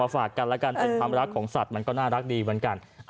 ฝากกันแล้วกันเป็นความรักของสัตว์มันก็น่ารักดีเหมือนกัน